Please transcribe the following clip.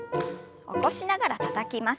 起こしながらたたきます。